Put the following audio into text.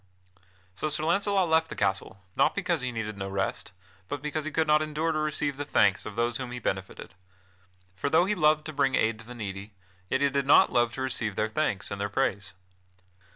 So Sir Launcelot left the castle, not because he needed no rest, but because he could not endure to receive the thanks of those whom he benefited. For though he loved to bring aid to the needy, yet he did not love to receive their thanks and their praise.